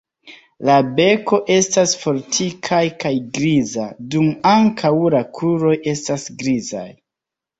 La beko estas fortikaj kaj griza, dum ankaŭ la kruroj estas grizaj.